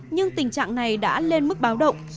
nhưng tình trạng này đã lên mức báo động